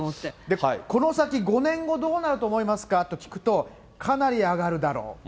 この先５年後、どうなると思いますかと聞くと、かなり上がるだろう。